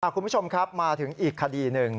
คุณผู้ชมครับมาถึงอีกคดีหนึ่ง